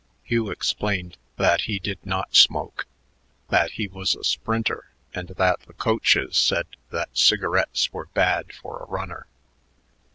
Hugh explained that he did not smoke, that he was a sprinter and that the coaches said that cigarettes were bad for a runner.